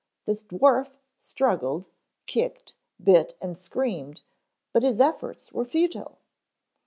The dwarf struggled, kicked, bit and screamed but his efforts were futile.